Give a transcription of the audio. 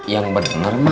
yang benar ma